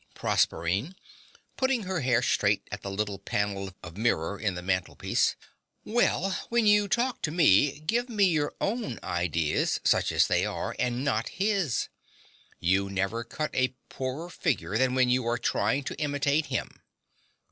PROSERPINE (putting her hair straight at the little panel of mirror in the mantelpiece). Well, when you talk to me, give me your own ideas, such as they are, and not his. You never cut a poorer figure than when you are trying to imitate him.